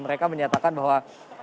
mereka menyatakan bahwa